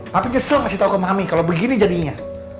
papi nyesel kasih tau ke mami kalo begini jadinya